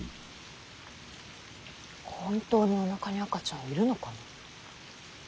本当におなかに赤ちゃんいるのかな。